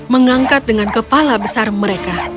mengangkat dengan kepala besar mereka